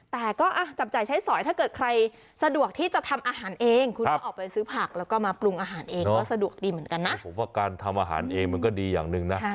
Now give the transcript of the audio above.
แต่ก็จำใจใช้สอยถ้าเกิดใครสะดวกที่จะทำอาหารเอง